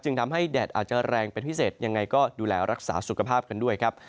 ทำให้แดดอาจจะแรงเป็นพิเศษยังไงก็ดูแลรักษาสุขภาพกันด้วยครับ